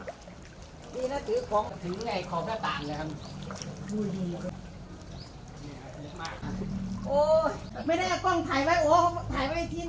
นี้ถือของหน้าต่าง